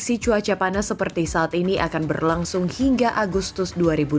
kondisi cuaca panas seperti saat ini akan berlangsung hingga agustus dua ribu dua puluh